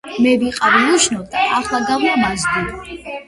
მე ვიყავი უშნო და ახლა გავლამაზდი